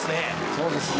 そうですね